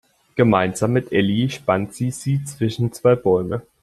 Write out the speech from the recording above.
Gemeinsam mit Elli spannt sie sie zwischen zwei Bäumen.